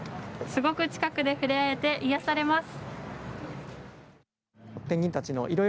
すごく近くで触れ合えて癒やされます。